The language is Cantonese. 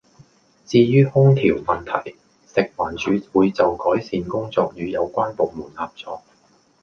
至於空調問題，食環署會就改善工作與有關部門合作